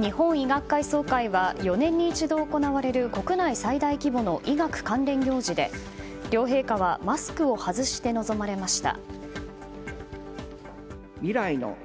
日本医学会総会は４年に一度行われる国内最大規模の医学関連行事で両陛下はマスクを外して臨まれました。